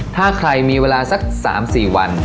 ถ้าใครมีเวลาสัก๓๔วัน